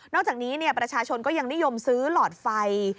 อกจากนี้ประชาชนก็ยังนิยมซื้อหลอดไฟ